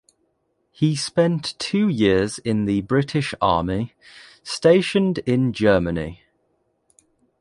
He spent two years in the British Army, stationed in Germany.